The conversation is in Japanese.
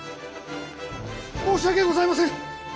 申し訳ございません！